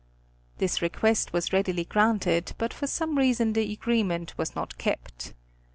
This request was readily granted, but for some reason the agreement was not kept.